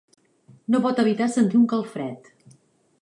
No pot evitar sentir un calfred.